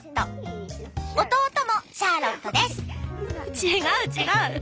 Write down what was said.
違う違う！